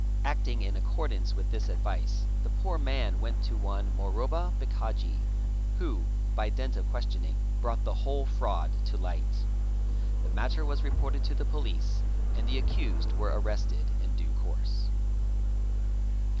Acting in accordance with this advice, the poor man went to one Moroba Bhikhaji who, by dint of questioning, brought the whole fraud to light. Thi matter was reported to the Police, and the accused were arrested in du course.